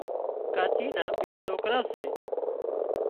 ڪاچي نا ٻي سوڪرا سي